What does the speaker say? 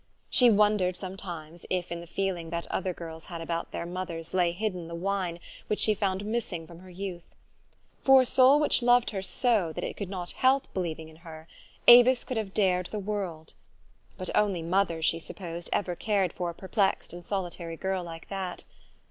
She wondered sometimes, if in the feeling that other girls had about their mothers lay hidden the wine which she found missing from her youth. For a soul which loved her so that it 62 THE STORY OF AVIS. could not help believing in her, Avis could have dared the world. But only mothers, she supposed, ever cared for a perplexed and solitary girl like that.